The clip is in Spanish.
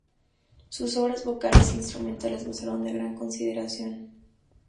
Sus obras vocales e instrumentales gozaron de gran consideración.